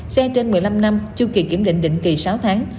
xe trên một mươi năm năm chu kỳ kiểm định định kỳ sáu tháng